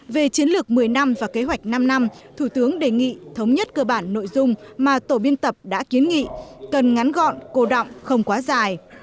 về chiến lược một mươi năm và kế hoạch năm năm thủ tướng đề nghị thống nhất cơ bản nội dung mà tổ biên tập đã kiến nghị cần ngắn gọn cô động không quá dài